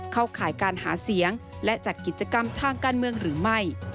ข่ายการหาเสียงและจัดกิจกรรมทางการเมืองหรือไม่